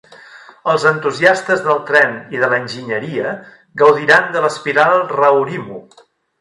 Els entusiastes del tren i de l'Enginyeria gaudiran de l'espiral Raurimu.